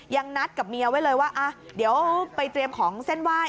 ยังนัดกับเมียไว้เลยว่าเดี๋ยวไปเตรียมของเส้นไหว้